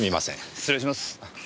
失礼します。